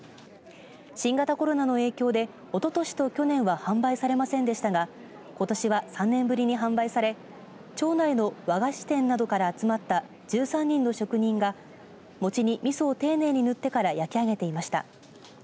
新型コロナの影響でおととしと去年は販売されませんでしたがことしは３年ぶりに販売され町内の和菓子店などから集まった１３人の職人が餅にみそを丁寧に塗ってから焼き上げていました。